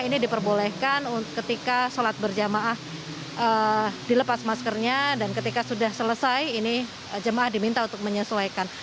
ini diperbolehkan ketika sholat berjamaah dilepas maskernya dan ketika sudah selesai ini jemaah diminta untuk menyesuaikan